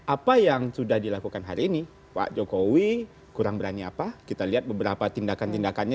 apa yang sudah dilakukan hari ini pak jokowi kurang berani apa kita lihat beberapa tindakan tindakannya